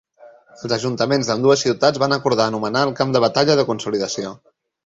Els ajuntaments d'ambdues ciutats van acordar anomenar el Camp de Batalla de consolidació.